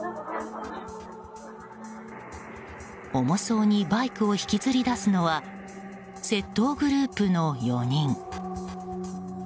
重そうにバイクを引きずり出すのは窃盗グループの４人。